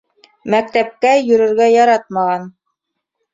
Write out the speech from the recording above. Мәктәпкә йөрөргә яратмаған.